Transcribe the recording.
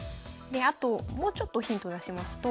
であともうちょっとヒントを出しますと。